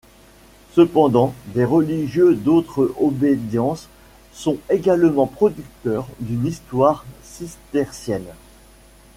Cependant, des religieux d'autres obédiences sont également producteurs d'une histoire cistercienne.